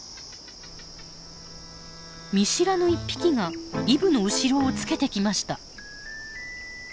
見知らぬ１匹がイブの後ろをつけてきました。